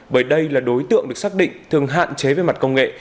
bởi đây là đối tượng được xác định thường hạn chế về mặt công nghệ